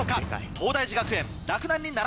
東大寺学園洛南に並んだ。